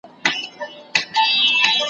د مور په نس کي د پیرانو پیر وو `